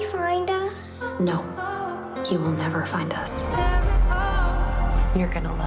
ไม่ได้เจอเราในลู่นี้